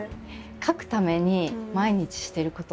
書くために毎日していること。